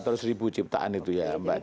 empat ratus ribu ciptaan itu ya mbak des ya